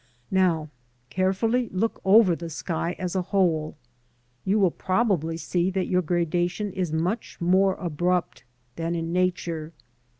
Now carefully look over the sky as a whole. You will probably see that your gradation is much more abrupt than in Nature.